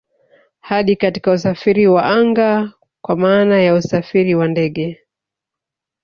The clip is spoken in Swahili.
Hadi katika usafiri wa anga kwa maana ya usafiri wa ndege